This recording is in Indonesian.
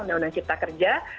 undang undang cipta kerja